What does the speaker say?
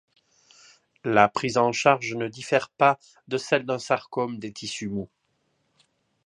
La prise en charge ne diffère pas de celle d'un sarcome des tissus mous.